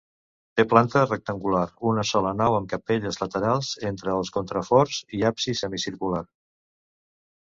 Té planta rectangular, una sola nau amb capelles laterals entre els contraforts i absis semicircular.